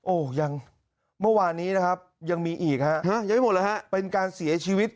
โอ้โหยังเมื่อวานนี้นะครับยังมีอีกฮะยังไม่หมดแล้วฮะเป็นการเสียชีวิต